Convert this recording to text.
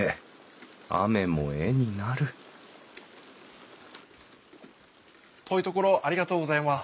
雨も絵になる遠いところありがとうございます。